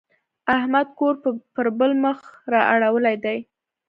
احمد کور پر بل مخ را اړولی دی.